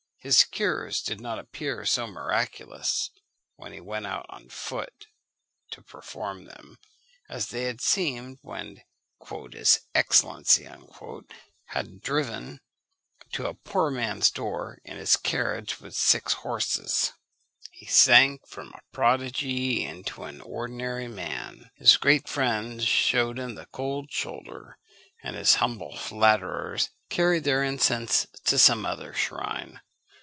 His cures did not appear so miraculous, when he went out on foot to perform them, as they had seemed when "his Excellency" had driven to a poor man's door in his carriage with six horses. He sank from a prodigy into an ordinary man. His great friends shewed him the cold shoulder, and his humble flatterers carried their incense to some other shrine.